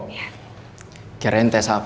kira kira ini tes apa